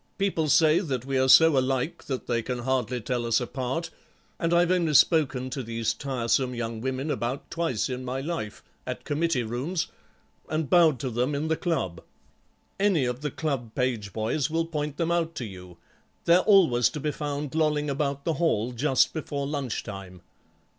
People say that we are so alike that they can hardly tell us apart, and I've only spoken to these tiresome young women about twice in my life, at committee rooms, and bowed to them in the club. Any of the club page boys will point them out to you; they're always to be found lolling about the hall just before lunch time."